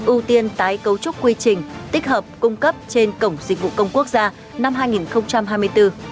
ưu tiên tái cấu trúc quy trình tích hợp cung cấp trên cổng dịch vụ công quốc gia năm hai nghìn hai mươi bốn